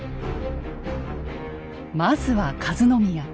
まずは和宮。